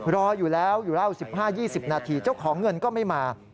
รออยู่แล้ว๑๕๒๐นาทีเจ้าของเงินก็ไม่มา